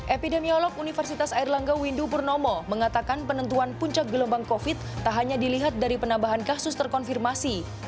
epidemiolog universitas airlangga windu purnomo mengatakan penentuan puncak gelombang covid tak hanya dilihat dari penambahan kasus terkonfirmasi